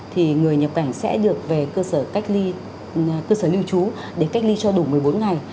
thì người nhập cảnh sẽ được về cơ sở cách ly cơ sở lưu trú để cách ly cho đủ một mươi bốn ngày